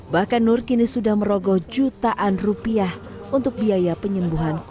bahkan nur kini sudah merogoh jutaan rupiah untuk biaya penyembuhan